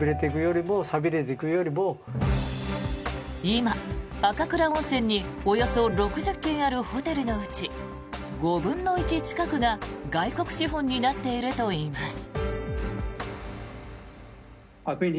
今、赤倉温泉におよそ６０軒あるホテルのうち５分の１近くが外国資本になっているといいます。